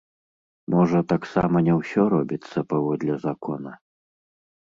Можа, таксама не ўсё робіцца паводле закона?